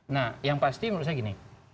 nah yang pasti menurut saya gini